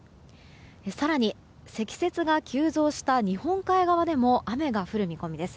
更に積雪が急増した日本海側でも雨が降る見込みです。